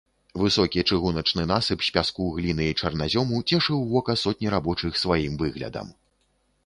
Высокі чыгуначны насып з пяску, гліны і чарназёму цешыў вока сотні рабочых сваім выглядам.